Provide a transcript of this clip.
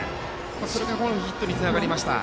それがこのヒットにつながりました。